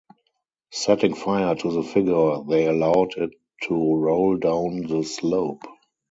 Setting fire to the figure, they allowed it to roll down the slope.